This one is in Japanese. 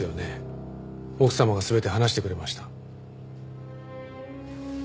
奥様が全て話してくれました。